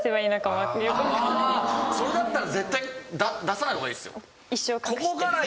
それだったら絶対出さない方がいいですよ。